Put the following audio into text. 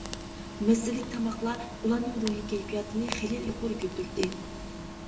مەززىلىك تاماقلار ئۇلارنىڭ روھى كەيپىياتىنى خېلى يۇقىرى كۆتۈردى.